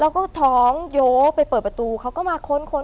แล้วก็ท้องโยไปเปิดประตูเขาก็มาค้นค้น